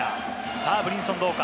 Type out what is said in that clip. さぁ、ブリンソンどうか？